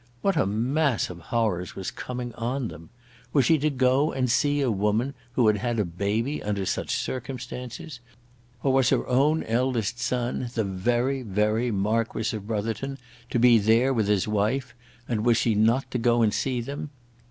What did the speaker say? What a mass of horrors was coming on them! Was she to go and see a woman who had had a baby under such circumstances? Or was her own eldest son, the very, very Marquis of Brotherton, to be there with his wife, and was she not to go and see them?